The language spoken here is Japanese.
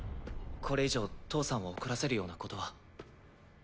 これ以上父さんを怒らせるようなことは。